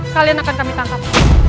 kalian akan kami tangkap